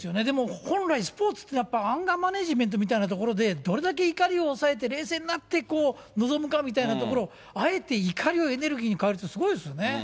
でも本来、スポーツってやっぱ、アンガーマネジメントみたいなところで、どれだけ怒りを抑えて、冷静になって、臨むかみたいなところを、あえて怒りをエネルギーに変えるってすごいですよね。